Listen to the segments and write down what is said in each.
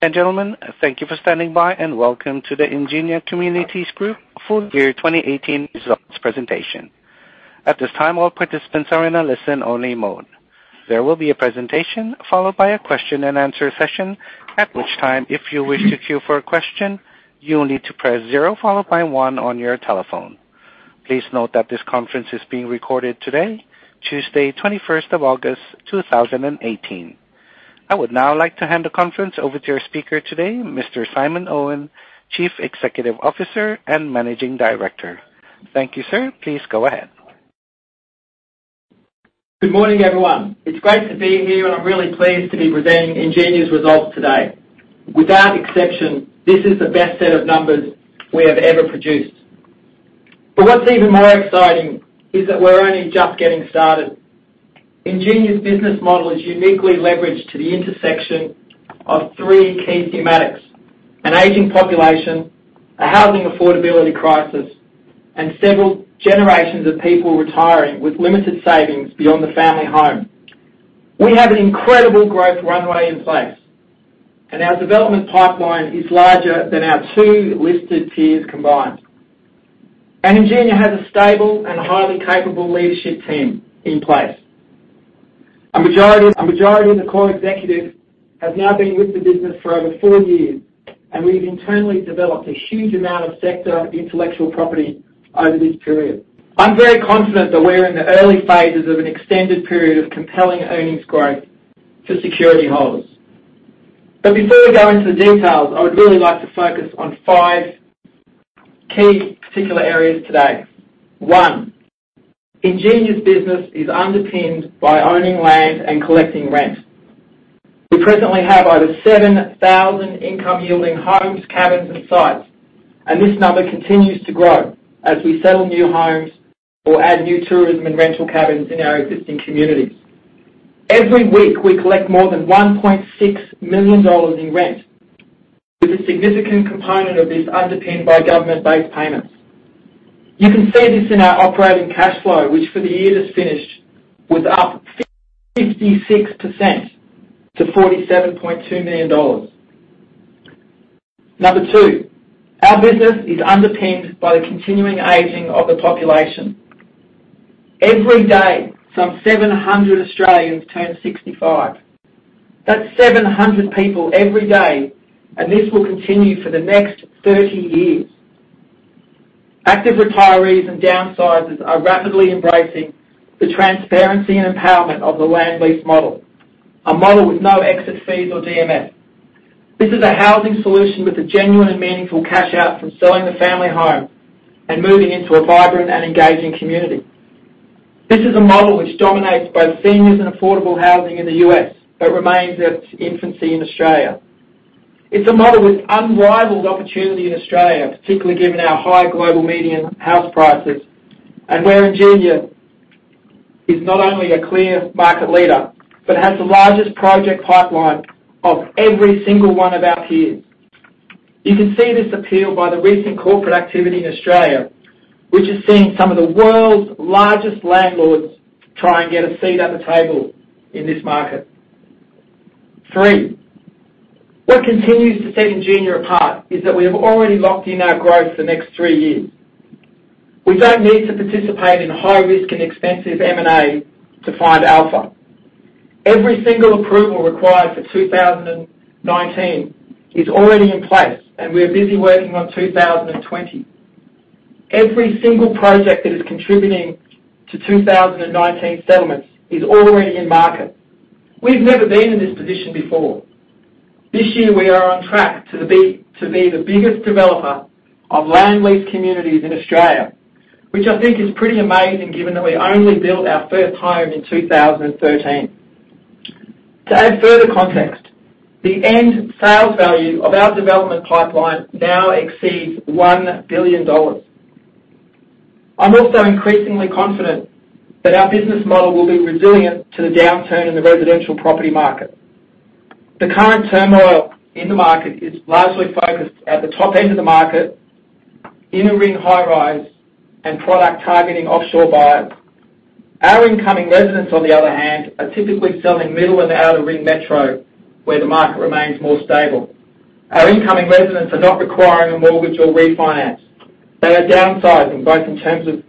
Gentlemen, thank you for standing by, and welcome to the Ingenia Communities Group Full Year 2018 Results presentation. At this time, all participants are in a listen-only mode. There will be a presentation followed by a question and answer session, at which time, if you wish to queue for a question, you will need to press zero followed by one on your telephone. Please note that this conference is being recorded today, Tuesday, 21st of August 2018. I would now like to hand the conference over to your speaker today, Mr. Simon Owen, Chief Executive Officer and Managing Director. Thank you, sir. Please go ahead. Good morning, everyone. It's great to be here, and I'm really pleased to be presenting Ingenia's results today. Without exception, this is the best set of numbers we have ever produced. What's even more exciting is that we're only just getting started. Ingenia's business model is uniquely leveraged to the intersection of three key thematics: an aging population, a housing affordability crisis, and several generations of people retiring with limited savings beyond the family home. We have an incredible growth runway in place, and our development pipeline is larger than our two listed peers combined. Ingenia has a stable and highly capable leadership team in place. A majority of the core executives has now been with the business for over four years, and we've internally developed a huge amount of sector intellectual property over this period. I'm very confident that we're in the early phases of an extended period of compelling earnings growth for security holders. Before we go into the details, I would really like to focus on five key particular areas today. 1, Ingenia's business is underpinned by owning land and collecting rent. We presently have over 7,000 income-yielding homes, cabins, and sites, and this number continues to grow as we settle new homes or add new tourism and rental cabins in our existing communities. Every week, we collect more than 1.6 million dollars in rent, with a significant component of this underpinned by government-based payments. You can see this in our operating cash flow, which for the year that's finished, was up 56% to 47.2 million dollars. Number 2, our business is underpinned by the continuing aging of the population. Every day, some 700 Australians turn 65. That's 700 people every day, and this will continue for the next 30 years. Active retirees and downsizers are rapidly embracing the transparency and empowerment of the land lease model, a model with no exit fees or DMFs. This is a housing solution with a genuine and meaningful cash out from selling the family home and moving into a vibrant and engaging community. This is a model which dominates both seniors and affordable housing in the U.S., but remains at its infancy in Australia. It's a model with unrivaled opportunity in Australia, particularly given our high global median house prices, and where Ingenia is not only a clear market leader but has the largest project pipeline of every single one of our peers. You can see this appeal by the recent corporate activity in Australia, which is seeing some of the world's largest landlords try and get a seat at the table in this market. Three, what continues to set Ingenia apart is that we have already locked in our growth for the next three years. We don't need to participate in high risk and expensive M&A to find alpha. Every single approval required for 2019 is already in place, and we are busy working on 2020. Every single project that is contributing to 2019 settlements is already in market. We've never been in this position before. This year, we are on track to be the biggest developer of land lease communities in Australia, which I think is pretty amazing given that we only built our first home in 2013. To add further context, the end sales value of our development pipeline now exceeds 1 billion dollars. I'm also increasingly confident that our business model will be resilient to the downturn in the residential property market. The current turmoil in the market is largely focused at the top end of the market, inner-ring high-rise, and product targeting offshore buyers. Our incoming residents, on the other hand, are typically selling middle and outer-ring metro, where the market remains more stable. Our incoming residents are not requiring a mortgage or refinance. They are downsizing, both in terms of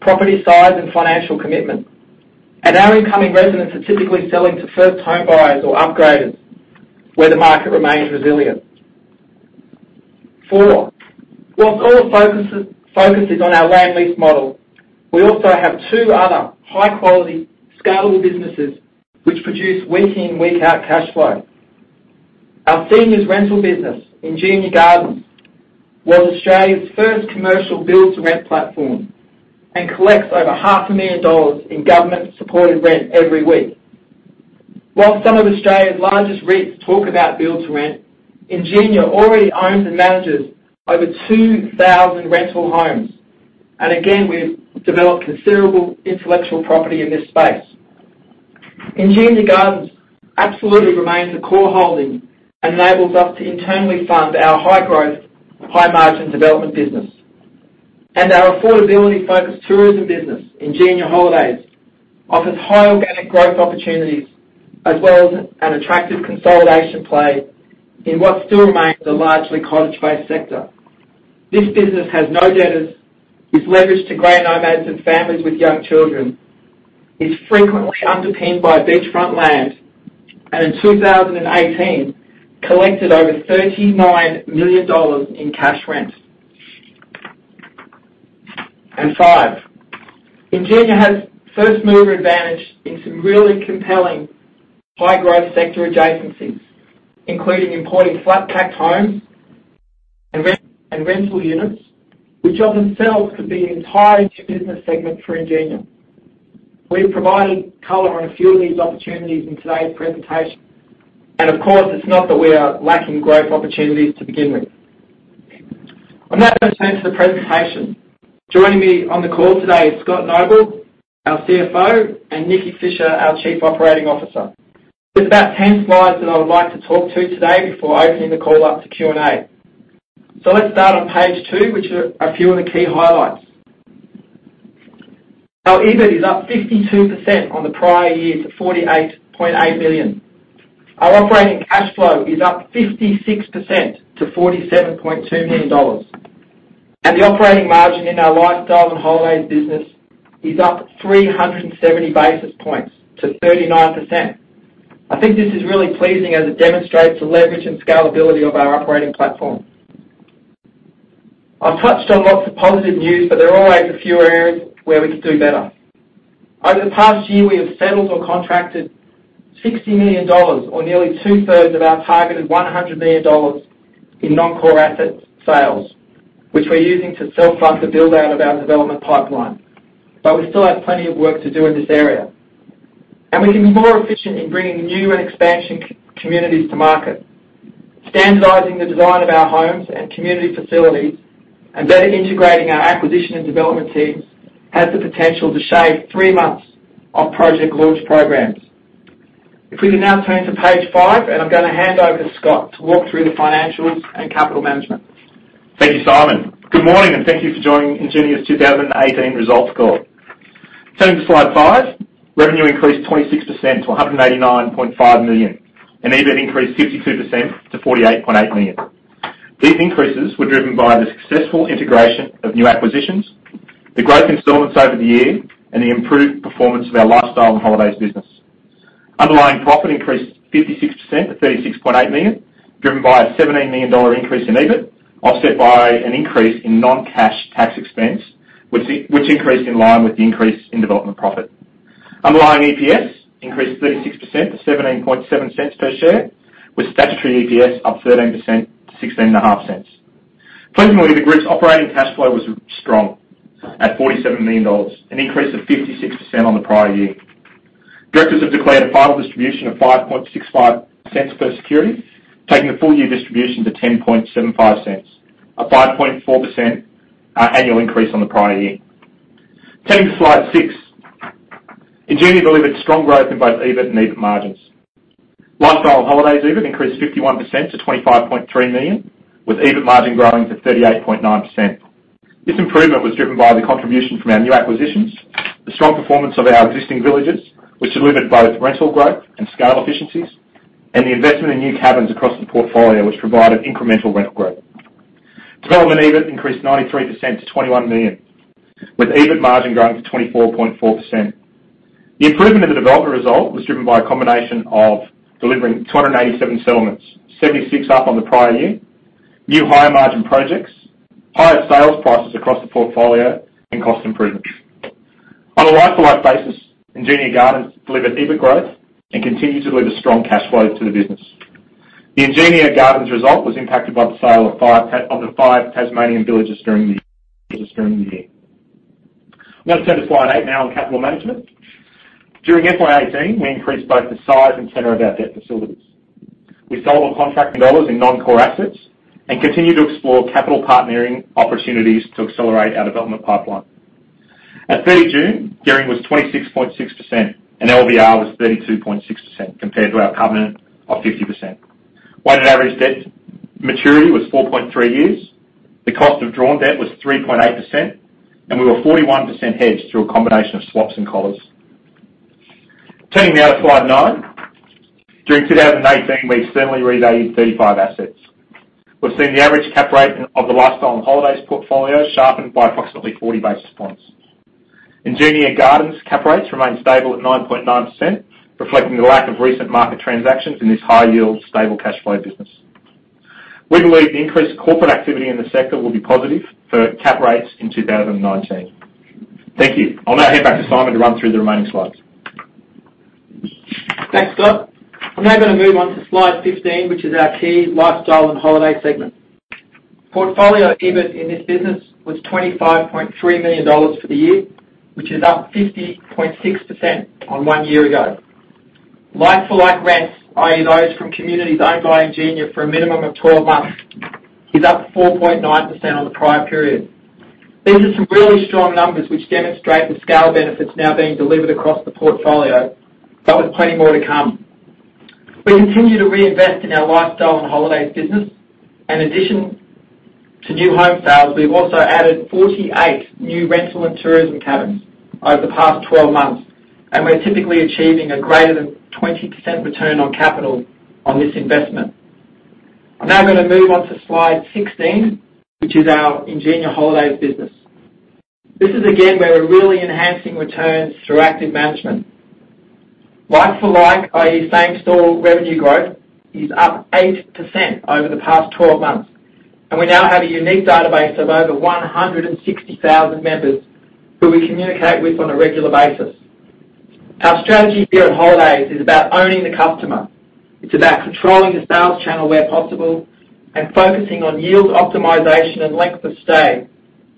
property size and financial commitment. Our incoming residents are typically selling to first home buyers or upgraders, where the market remains resilient. Four, whilst all the focus is on our land lease model, we also have two other high quality, scalable businesses which produce week-in, week-out cash flow. Our seniors rental business, Ingenia Gardens, was Australia's first commercial build-to-rent platform and collects over half a million AUD in government-supported rent every week. While some of Australia's largest REITs talk about build to rent, Ingenia already owns and manages over 2,000 rental homes, and again, we've developed considerable intellectual property in this space. Ingenia Gardens absolutely remains a core holding, enables us to internally fund our high growth, high margin development business. Our affordability-focused tourism business, Ingenia Holidays, offers high organic growth opportunities as well as an attractive consolidation play in what still remains a largely cottage-based sector. This business has no debtors, is leveraged to grey nomads and families with young children, is frequently underpinned by beachfront land, and in 2018, collected over 39 million dollars in cash rents. Five, Ingenia has first-mover advantage in some really compelling high growth sector adjacencies, including importing flat pack homes and rental units, which of themselves could be an entire new business segment for Ingenia. We've provided color on a few of these opportunities in today's presentation, and of course, it's not that we are lacking growth opportunities to begin with. On that, let's turn to the presentation. Joining me on the call today is Scott Noble, our CFO, and Nikki Fisher, our Chief Operating Officer. There's about 10 slides that I would like to talk to today before opening the call up to Q&A. Let's start on page two, which are a few of the key highlights. Our EBIT is up 52% on the prior year to 48.8 million. Our operating cash flow is up 56% to AUD 47.2 million. The operating margin in our lifestyle and holidays business is up 370 basis points to 39%. I think this is really pleasing as it demonstrates the leverage and scalability of our operating platform. I have touched on lots of positive news, but there are always a few areas where we could do better. Over the past year, we have settled or contracted 60 million dollars or nearly two-thirds of our targeted 100 million dollars in non-core asset sales, which we are using to self-fund the build-out of our development pipeline. We still have plenty of work to do in this area. We can be more efficient in bringing new and expansion communities to market. Standardizing the design of our homes and community facilities and better integrating our acquisition and development teams has the potential to shave three months off project launch programs. If we could now turn to page five, I am going to hand over to Scott to walk through the financials and capital management. Thank you, Simon. Good morning, and thank you for joining Ingenia’s 2018 results call. Turning to slide five, revenue increased 26% to 189.5 million, and EBIT increased 52% to 48.8 million. These increases were driven by the successful integration of new acquisitions, the growth in installments over the year, and the improved performance of our lifestyle and holidays business. Underlying profit increased 56% to 36.8 million, driven by an 17 million dollar increase in EBIT, offset by an increase in non-cash tax expense, which increased in line with the increase in development profit. Underlying EPS increased 36% to 0.177 per share, with statutory EPS up 13% to 0.165. Pleasingly, the group’s operating cash flow was strong at 47 million dollars, an increase of 56% on the prior year. Directors have declared a final distribution of 0.0565 per security, taking the full-year distribution to 0.1075, a 5.4% annual increase on the prior year. Turning to slide six. Ingenia delivered strong growth in both EBIT and EBIT margins. Lifestyle holidays EBIT increased 51% to 25.3 million, with EBIT margin growing to 38.9%. This improvement was driven by the contribution from our new acquisitions, the strong performance of our existing villages, which delivered both rental growth and scale efficiencies, and the investment in new cabins across the portfolio, which provided incremental rental growth. Development EBIT increased 93% to 21 million, with EBIT margin growing to 24.4%. The improvement of the development result was driven by a combination of delivering 287 settlements, 76 up on the prior year, new higher-margin projects, higher sales prices across the portfolio, and cost improvements. On a like-for-like basis, Ingenia Gardens delivered EBIT growth and continues to deliver strong cash flow to the business. The Ingenia Gardens result was impacted by the sale of the five Tasmanian villages during the year. I'm going to turn to slide eight now on capital management. During FY 2018, we increased both the size and tenor of our debt facilities. We sold or contracted dollars in non-core assets and continue to explore capital partnering opportunities to accelerate our development pipeline. At 30 June, gearing was 26.6% and LVR was 32.6% compared to our covenant of 50%. Weighted average debt maturity was 4.3 years. The cost of drawn debt was 3.8%, and we were 41% hedged through a combination of swaps and collars. Turning now to slide nine. During 2018, we externally revalued 35 assets. We've seen the average cap rate of the lifestyle and holidays portfolio sharpen by approximately 40 basis points. Ingenia Gardens cap rates remain stable at 9.9%, reflecting the lack of recent market transactions in this high-yield, stable cash flow business. We believe the increased corporate activity in the sector will be positive for cap rates in 2019. Thank you. I'll now hand back to Simon to run through the remaining slides. Thanks, Scott. I'm now going to move on to slide 15, which is our key lifestyle and holiday segment. Portfolio EBIT in this business was 25.3 million dollars for the year, which is up 50.6% on one year ago. Like-for-like rents, i.e., those from communities owned by Ingenia for a minimum of 12 months, is up 4.9% on the prior period. These are some really strong numbers, which demonstrate the scale benefits now being delivered across the portfolio, but with plenty more to come. We continue to reinvest in our lifestyle and holidays business. In addition to new home sales, we've also added 48 new rental and tourism cabins over the past 12 months, and we are typically achieving a greater than 20% return on capital on this investment. I'm now going to move on to slide 16, which is our Ingenia Holidays business. This is, again, where we're really enhancing returns through active management. Like for like, i.e., same store revenue growth is up 8% over the past 12 months, and we now have a unique database of over 160,000 members who we communicate with on a regular basis. Our strategy here at Holidays is about owning the customer. It's about controlling the sales channel where possible and focusing on yield optimization and length of stay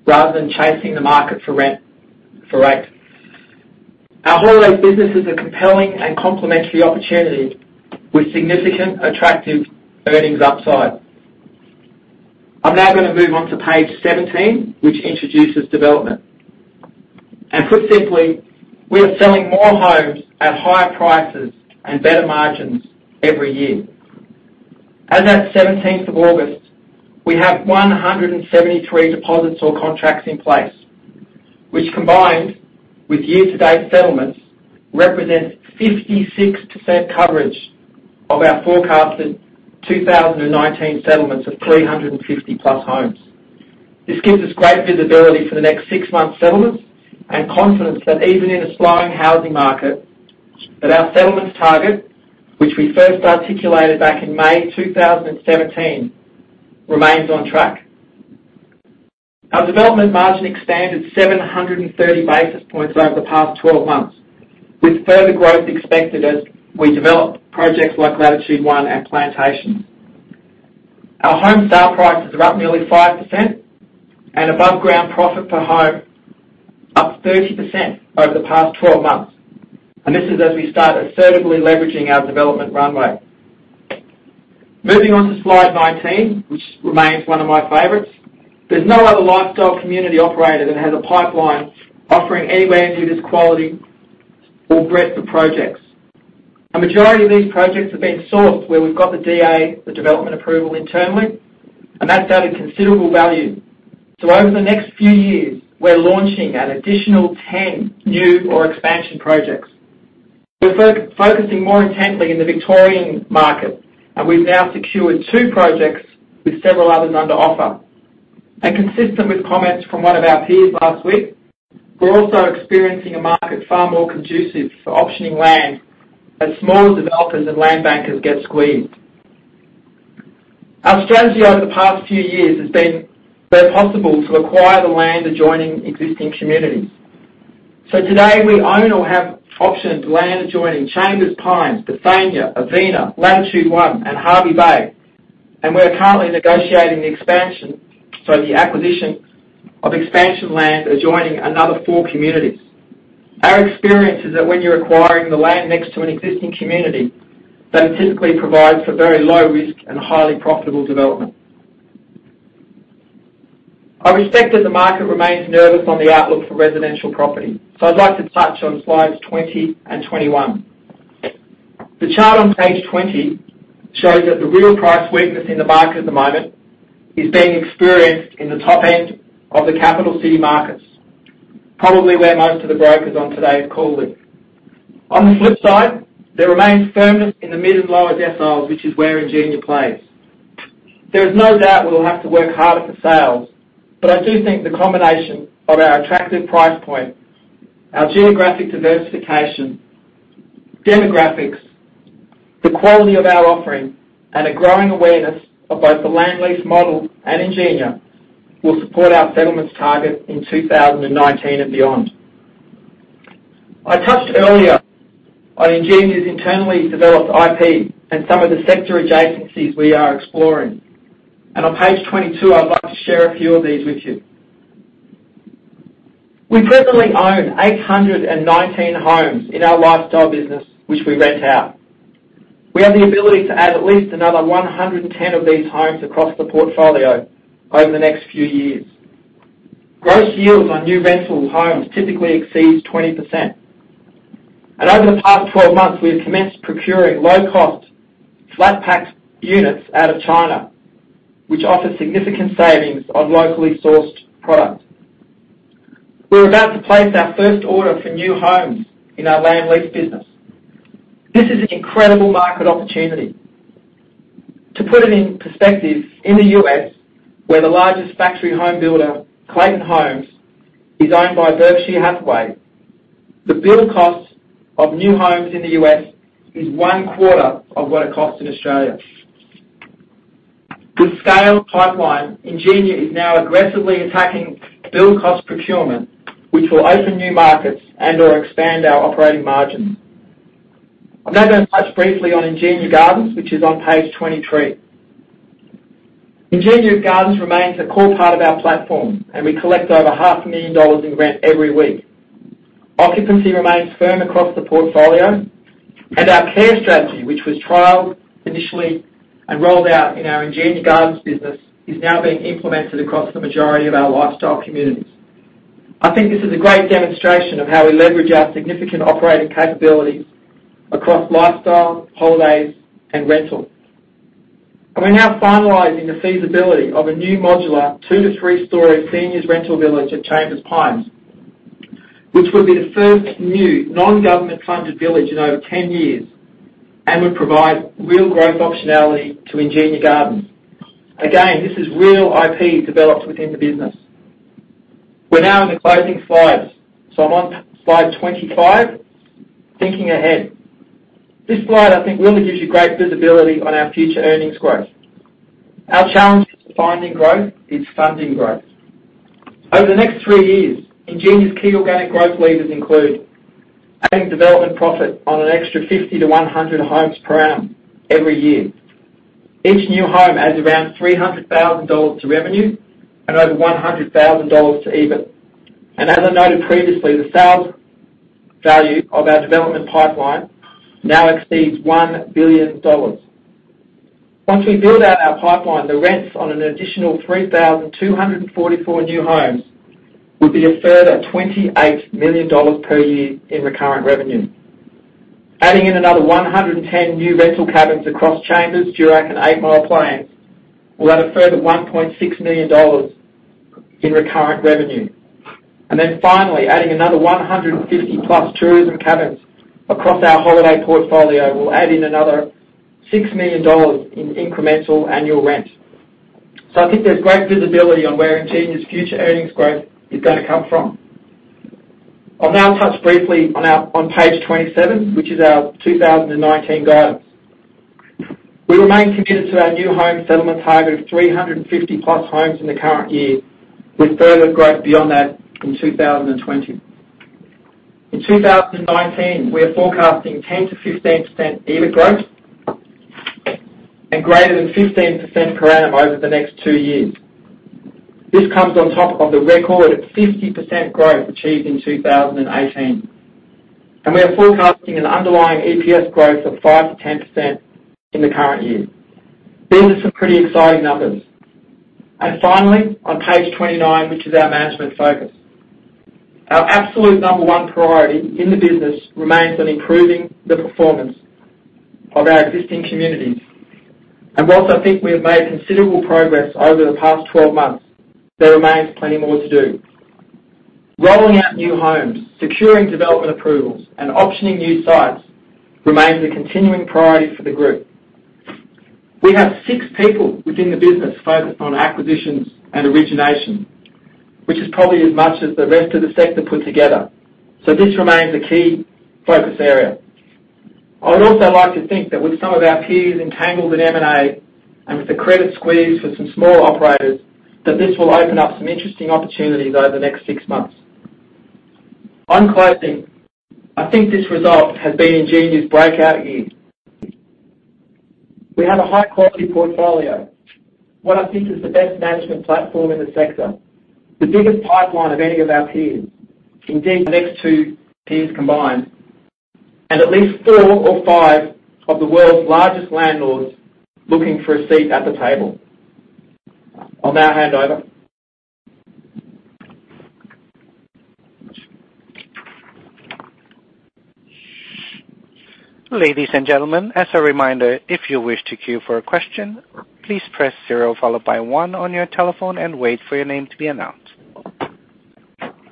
rather than chasing the market for rate. Our Holidays business is a compelling and complementary opportunity with significant attractive earnings upside. I'm now going to move on to page 17, which introduces development. Put simply, we are selling more homes at higher prices and better margins every year. As at 17th of August, we have 173 deposits or contracts in place, which combined with year-to-date settlements, represents 56% coverage of our forecasted 2019 settlements of 350-plus homes. This gives us great visibility for the next six months settlements and confidence that even in a slowing housing market, that our settlements target, which we first articulated back in May 2017, remains on track. Our development margin expanded 730 basis points over the past 12 months, with further growth expected as we develop projects like Latitude One and Plantations. Our home sale prices are up nearly 5%, and above-ground profit per home up 30% over the past 12 months. This is as we start assertively leveraging our development runway. Moving on to slide 19, which remains one of my favorites. There's no other lifestyle community operator that has a pipeline offering anywhere near this quality or breadth of projects. A majority of these projects have been sourced where we've got the DA, the development approval internally, and that's added considerable value. Over the next few years, we're launching an additional 10 new or expansion projects. We're focusing more intently in the Victorian market, and we've now secured two projects with several others under offer. Consistent with comments from one of our peers last week, we're also experiencing a market far more conducive for optioning land as smaller developers and land bankers get squeezed. Our strategy over the past few years has been where possible to acquire the land adjoining existing communities. Today, we own or have optioned land adjoining Chambers Pines, Bethania, Avina, Latitude One and Hervey Bay, and we are currently negotiating the expansion, so the acquisition of expansion land adjoining another four communities. Our experience is that when you're acquiring the land next to an existing community, that it typically provides for very low risk and highly profitable development. I respect that the market remains nervous on the outlook for residential property, so I'd like to touch on slides 20 and 21. The chart on page 20 shows that the real price weakness in the market at the moment is being experienced in the top end of the capital city markets, probably where most of the brokers on today's call live. On the flip side, there remains firmness in the mid and lower deciles, which is where Ingenia plays. There is no doubt we will have to work harder for sales, but I do think the combination of our attractive price point, our geographic diversification, demographics, the quality of our offering, and a growing awareness of both the land lease model and Ingenia will support our settlements target in 2019 and beyond. I touched earlier on Ingenia's internally developed IP and some of the sector adjacencies we are exploring. On page 22, I'd like to share a few of these with you. We presently own 819 homes in our lifestyle business, which we rent out. We have the ability to add at least another 110 of these homes across the portfolio over the next few years. Gross yields on new rental homes typically exceeds 20%. Over the past 12 months, we have commenced procuring low-cost flat pack units out of China, which offer significant savings on locally sourced product. We are about to place our first order for new homes in our land lease business. This is an incredible market opportunity. To put it in perspective, in the U.S., where the largest factory home builder, Clayton Homes, is owned by Berkshire Hathaway, the build cost of new homes in the U.S. is one-quarter of what it costs in Australia. With scale pipeline, Ingenia Communities Group is now aggressively attacking build cost procurement, which will open new markets or expand our operating margins. I am now going to touch briefly on Ingenia Gardens, which is on page 23. Ingenia Gardens remains a core part of our platform, and we collect over half a million AUD in rent every week. Occupancy remains firm across the portfolio, and our care strategy, which was trialed initially and rolled out in our Ingenia Gardens business, is now being implemented across the majority of our lifestyle communities. I think this is a great demonstration of how we leverage our significant operating capabilities across lifestyle, holidays, and rental. We are now finalizing the feasibility of a new modular two to three-story seniors rental village at Chambers Pines, which would be the first new non-government funded village in over 10 years and would provide real growth optionality to Ingenia Gardens. Again, this is real IP developed within the business. We are now in the closing slides. I am on slide 25, Thinking Ahead. This slide, I think, really gives you great visibility on our future earnings growth. Our challenge to finding growth is funding growth. Over the next three years, Ingenia Communities Group's key organic growth levers include adding development profit on an extra 50 to 100 homes per annum every year. Each new home adds around 300,000 dollars to revenue and over 100,000 dollars to EBIT. As I noted previously, the sales value of our development pipeline now exceeds 1 billion dollars. Once we build out our pipeline, the rents on an additional 3,244 new homes will be a further 28 million dollars per year in recurrent revenue. Adding in another 110 new rental cabins across Chambers, Durack and Eight Mile Plains will add a further 1.6 million dollars in recurrent revenue. Finally, adding another 150 plus tourism cabins across our holiday portfolio will add in another 6 million dollars in incremental annual rent. I think there is great visibility on where Ingenia Communities Group's future earnings growth is going to come from. I will now touch briefly on page 27, which is our 2019 guidance. We remain committed to our new home settlement target of 350 plus homes in the current year, with further growth beyond that in 2020. In 2019, we are forecasting 10%-15% EBIT growth and greater than 15% per annum over the next two years. This comes on top of the record of 50% growth achieved in 2018. We are forecasting an underlying EPS growth of 5%-10% in the current year. These are some pretty exciting numbers. Finally, on page 29, which is our management focus. Our absolute number 1 priority in the business remains on improving the performance of our existing communities. Whilst I think we have made considerable progress over the past 12 months, there remains plenty more to do. Rolling out new homes, securing development approvals, and optioning new sites remains a continuing priority for the group. We have six people within the business focused on acquisitions and origination, which is probably as much as the rest of the sector put together. This remains a key focus area. I would also like to think that with some of our peers entangled in M&A and with the credit squeeze for some smaller operators, that this will open up some interesting opportunities over the next six months. On closing, I think this result has been Ingenia's breakout year. We have a high-quality portfolio, what I think is the best management platform in the sector, the biggest pipeline of any of our peers, indeed the next two peers combined, and at least four or five of the world's largest landlords looking for a seat at the table. I'll now hand over. Ladies and gentlemen, as a reminder, if you wish to queue for a question, please press zero followed by one on your telephone and wait for your name to be announced.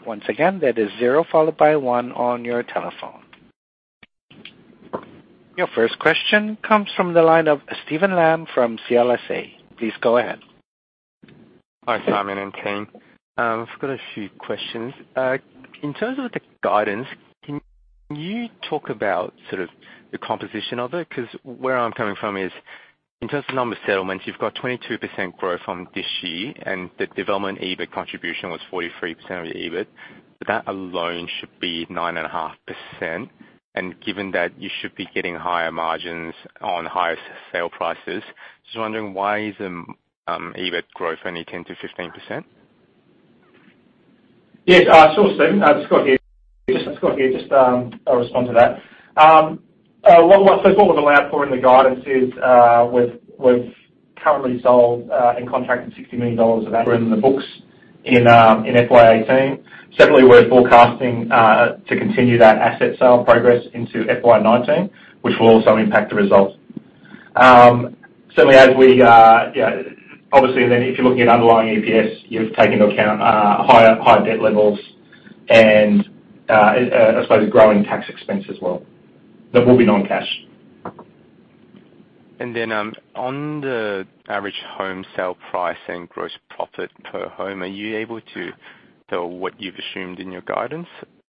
Once again, that is zero followed by one on your telephone. Your first question comes from the line of Steven Lam from CLSA. Please go ahead. Hi, Simon and team. I've got a few questions. In terms of the guidance, can you talk about the composition of it? Where I'm coming from is in terms of number of settlements, you've got 22% growth from this year, and the development EBIT contribution was 43% of the EBIT. That alone should be 9.5%. Given that you should be getting higher margins on higher sale prices, just wondering why is the EBIT growth only 10%-15%? Yes. Sure, Steven. Scott here. I'll respond to that. What we've allowed for in the guidance is we've currently sold and contracted 60 million dollars of that in the books in FY 2018. Certainly, we're forecasting to continue that asset sale progress into FY 2019, which will also impact the results. If you're looking at underlying EPS, you have to take into account higher debt levels and, I suppose, a growing tax expense as well. That will be non-cash. On the average home sale price and gross profit per home, are you able to tell what you've assumed in your guidance,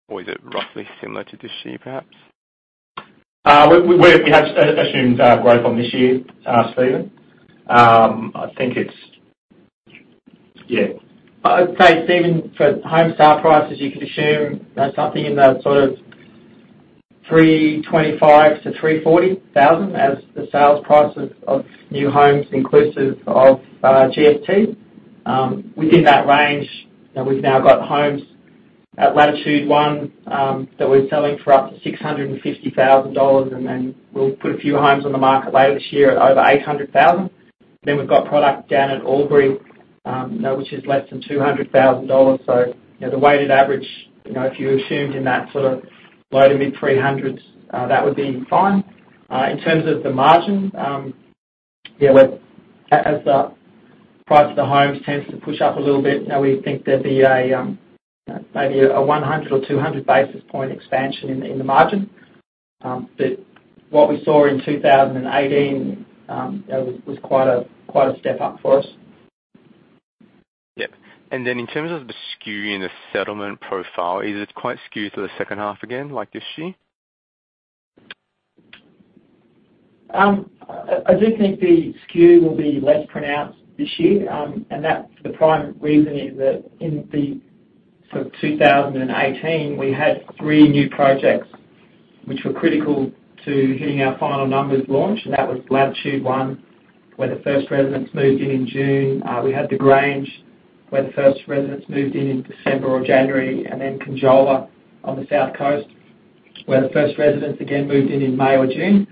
or is it roughly similar to this year, perhaps? We have assumed growth on this year, Steven. I'd say, Steven, for home sale prices, you can assume something in the sort of 325,000-340,000 as the sales price of new homes inclusive of GST. Within that range, we've now got homes at Latitude One that we're selling for up to 650,000 dollars, then we'll put a few homes on the market later this year at over 800,000. Then we've got product down at Albury, which is less than 200,000 dollars. The weighted average, if you assumed in that sort of low to mid-AUD 300s, that would be fine. In terms of the margin, as the price of the homes tends to push up a little bit, now we think there'd be maybe a 100 or 200 basis point expansion in the margin. What we saw in 2018 was quite a step up for us. Yep. In terms of the skew in the settlement profile, is it quite skewed to the second half again, like this year? I do think the skew will be less pronounced this year. The prime reason is that in 2018, we had three new projects which were critical to hitting our final numbers launch. That was Latitude One, where the first residents moved in in June. We had The Grange, where the first residents moved in in December or January, and then Conjola on the South Coast, where the first residents again moved in in May or June.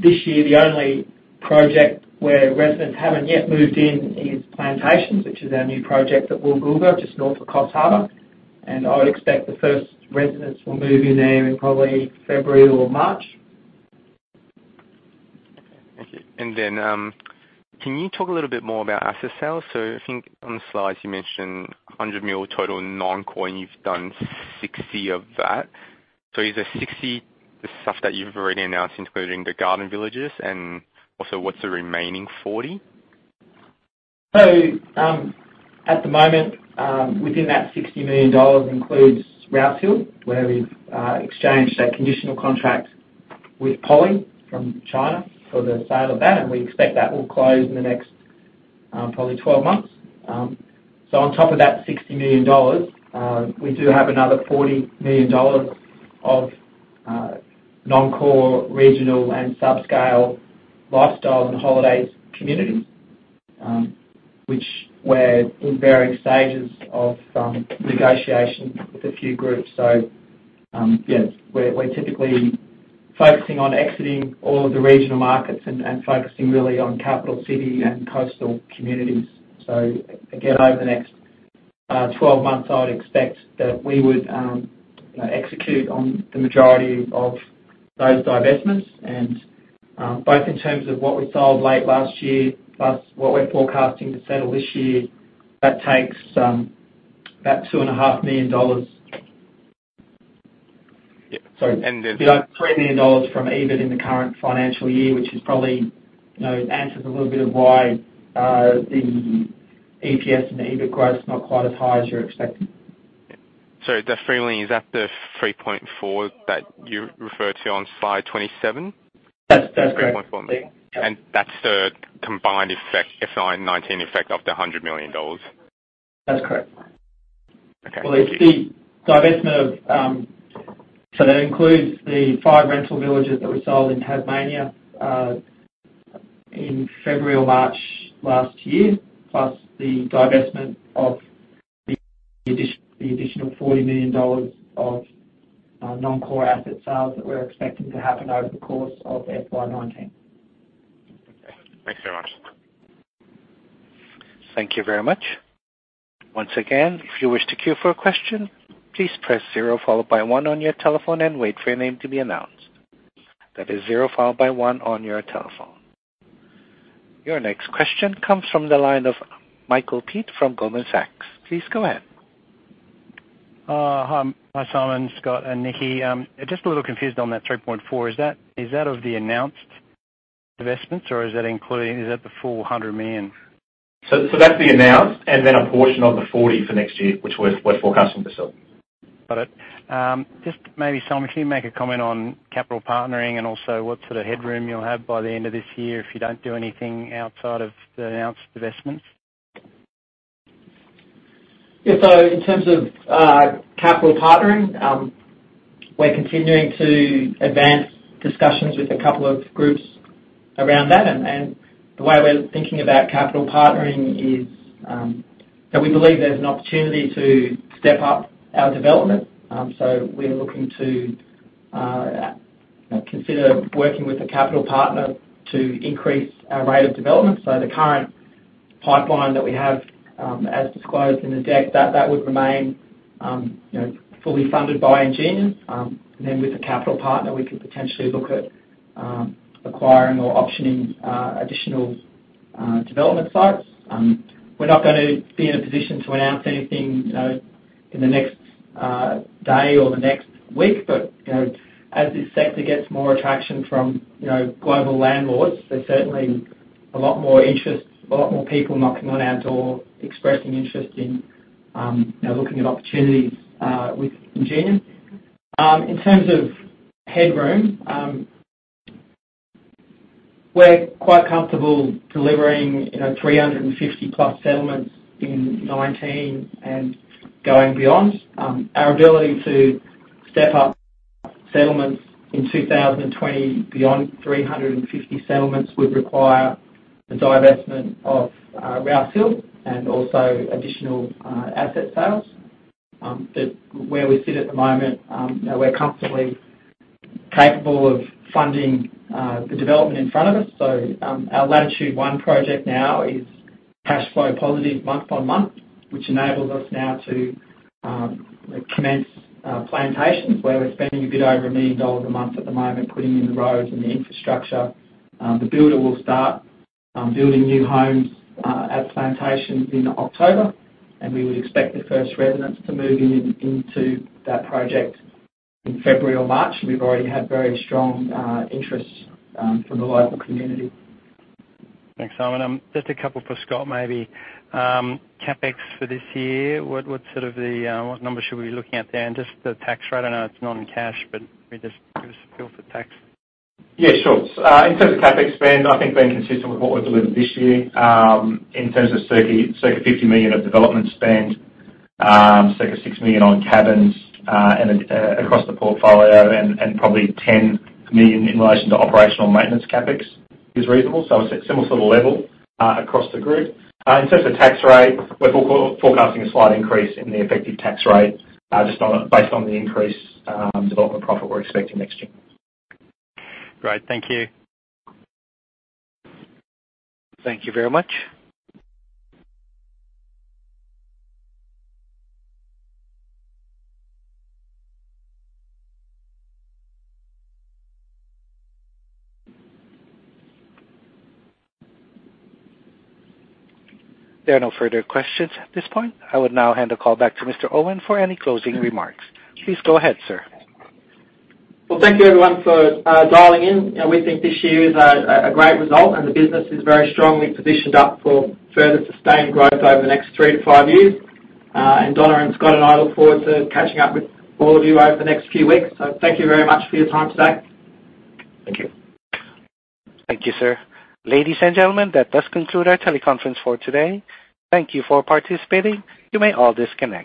This year, the only project where residents haven't yet moved in is Plantations, which is our new project at Woolgoolga, just north of Coffs Harbour, I would expect the first residents will move in there in probably February or March. Okay. Can you talk a little bit more about asset sales? I think on the slides you mentioned 100 million total non-core, and you've done 60 of that. Is the 60 the stuff that you've already announced, including the Garden Villages? Also, what's the remaining 40? At the moment, within that 60 million dollars includes Rouse Hill, where we've exchanged a conditional contract with Poly from China for the sale of that, and we expect that will close in the next probably 12 months. On top of that 60 million dollars, we do have another 40 million dollars of non-core regional and subscale lifestyle and holiday communities, which were in varying stages of negotiation with a few groups. Yeah, we're typically focusing on exiting all of the regional markets and focusing really on capital city and coastal communities. Again, over the next 12 months, I'd expect that we would execute on the majority of those divestments. Both in terms of what we sold late last year, plus what we're forecasting to settle this year, that takes about 2.5 million dollars. Yeah. Sorry. Be like 3 million dollars from EBIT in the current financial year, which probably answers a little bit of why the EPS and the EBIT growth is not quite as high as you're expecting. Definitely, is that the 3.4 that you refer to on slide 27? That's correct. AUD 3.4 million. That's the combined effect, FY 2019 effect of the 100 million dollars? That's correct. Okay. Well, it's the divestment that includes the five rental villages that we sold in Tasmania in February or March last year, plus the divestment of the additional 40 million dollars of non-core asset sales that we're expecting to happen over the course of FY 2019. Okay. Thanks very much. Thank you very much. Once again, if you wish to queue for a question, please press zero followed by one on your telephone and wait for your name to be announced. That is zero followed by one on your telephone. Your next question comes from the line of Michael Peet from Goldman Sachs. Please go ahead. Hi, Simon, Scott, and Nikki. Just a little confused on that 3.4. Is that of the announced divestments, or is that the full 100 million? That's the announced, a portion of the 40 million for next year, which we're forecasting to sell. Got it. Just maybe, Simon, can you make a comment on capital partnering and also what sort of headroom you'll have by the end of this year if you don't do anything outside of the announced divestments? Yeah. In terms of capital partnering, we're continuing to advance discussions with a couple of groups around that. The way we're thinking about capital partnering is that we believe there's an opportunity to step up our development. We are looking to consider working with a capital partner to increase our rate of development. The current pipeline that we have, as disclosed in the deck, that would remain fully funded by Ingenia. With a capital partner, we could potentially look at acquiring or optioning additional development sites. We're not going to be in a position to announce anything in the next day or the next week. As this sector gets more attraction from global landlords, there's certainly a lot more interest, a lot more people knocking on our door expressing interest in looking at opportunities with Ingenia. In terms of headroom, we're quite comfortable delivering 350-plus settlements in 2019 and going beyond. Our ability to step up settlements in 2020 beyond 350 settlements would require the divestment of Rouse Hill and also additional asset sales. Where we sit at the moment, we're comfortably capable of funding the development in front of us. Our Latitude One project now is cash flow positive month on month, which enables us now to commence plantations where we're spending a bit over 1 million dollars a month at the moment, putting in the roads and the infrastructure. The builder will start building new homes at plantations in October, and we would expect the first residents to move into that project in February or March. We've already had very strong interest from the local community. Thanks, Simon. Just a couple for Scott, maybe. CapEx for this year, what number should we be looking at there? Just the tax rate. I know it's not in cash, but maybe just give us a feel for tax. Yeah, sure. In terms of CapEx spend, I think being consistent with what we delivered this year, in terms of circa 50 million of development spend, circa 6 million on cabins, and across the portfolio, and probably 10 million in relation to operational maintenance CapEx is reasonable. A similar sort of level across the group. In terms of tax rate, we're forecasting a slight increase in the effective tax rate, just based on the increased development profit we're expecting next year. Great. Thank you. Thank you very much. There are no further questions at this point. I would now hand the call back to Mr. Owen for any closing remarks. Please go ahead, sir. Well, thank you everyone for dialing in. We think this year is a great result and the business is very strongly positioned up for further sustained growth over the next three to five years. Donna and Scott and I look forward to catching up with all of you over the next few weeks. Thank you very much for your time today. Thank you. Thank you, sir. Ladies and gentlemen, that does conclude our teleconference for today. Thank you for participating. You may all disconnect.